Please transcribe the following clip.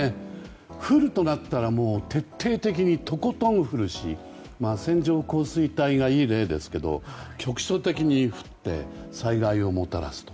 降るとなったら徹底的にとことん降るし線状降水帯がいい例ですけど局所的に降って災害をもたらす。